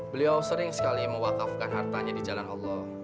beliau sering sekali mewakafkan hartanya di jalan allah